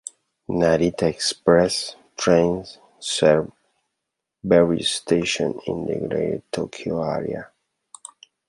"Narita Express" trains serve various stations in the Greater Tokyo Area.